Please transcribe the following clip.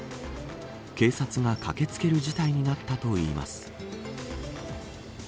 警察が駆けつける事態になったといいます。